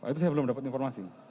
itu saya belum dapat informasi